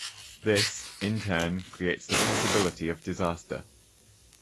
This, in turn, creates the possibility of disaster.